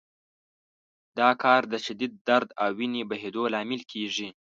دا کار د شدید درد او وینې بهېدو لامل کېږي.